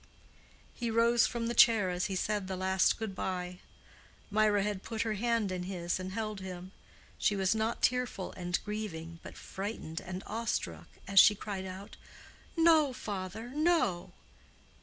He rose from the chair as he said the last "good bye." Mirah had put her hand in his and held him. She was not tearful and grieving, but frightened and awe struck, as she cried out, "No, father, no!"